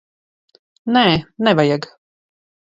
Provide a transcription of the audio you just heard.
Nē, nevajag.